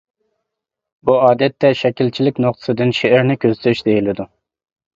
بۇ ئادەتتە شەكىلچىلىك نۇقتىسىدىن شېئىرنى كۆزىتىش دېيىلىدۇ.